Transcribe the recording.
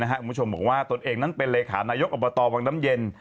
คุณผู้ชมบอกว่าตนเองนั้นเป็นเลขานายกอบตวังน้ำเย็น